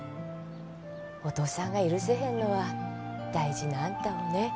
お父さんが許せへんのは大事なあんたをね